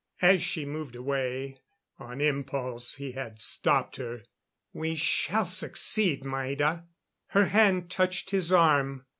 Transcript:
As she moved away, on impulse he had stopped her. "We shall succeed, Maida." Her hand touched his arm.